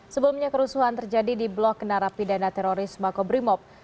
sebelumnya kerusuhan terjadi di blok kenara pi dana teroris makobrimob